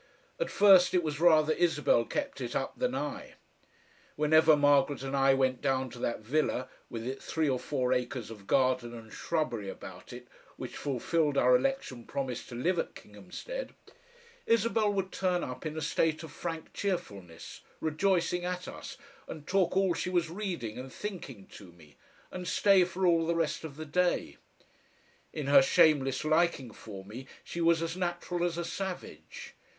At first it was rather Isabel kept it up than I. Whenever Margaret and I went down to that villa, with its three or four acres of garden and shrubbery about it, which fulfilled our election promise to live at Kinghamstead, Isabel would turn up in a state of frank cheerfulness, rejoicing at us, and talk all she was reading and thinking to me, and stay for all the rest of the day. In her shameless liking for me she was as natural as a savage.